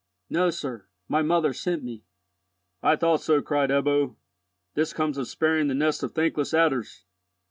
"No, sir, my mother sent me." "I thought so," cried Ebbo. "This comes of sparing the nest of thankless adders!"